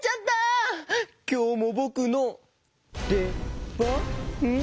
きょうもぼくのでばん？